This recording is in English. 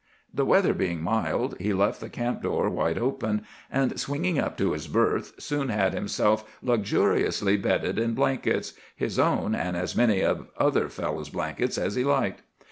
"The weather being mild, he left the camp door wide open, and, swinging up to his berth, soon had himself luxuriously bedded in blankets,—his own and as many other fellows' blankets as he liked.